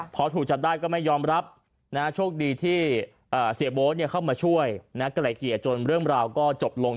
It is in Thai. พอถูกจับได้ก็ไม่ยอมรับโชคดีที่เสียโบ๊ทเข้ามาช่วยไกลเกลี่ยจนเรื่องราวก็จบลง